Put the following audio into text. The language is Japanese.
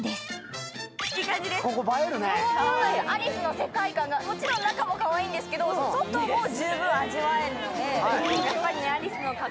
アリスの世界観が、もちろん中もかわいいんですけど、外も十分味わえるので。